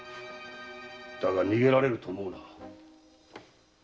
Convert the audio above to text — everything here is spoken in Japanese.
だが逃げられると思うなよ。